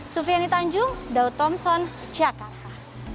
sufiani tanjung daud thompson jakarta